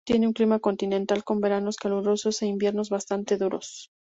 Tiene un clima continental con veranos calurosos e inviernos bastante duros.